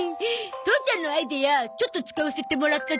父ちゃんのアイデアちょっと使わせてもらったゾ。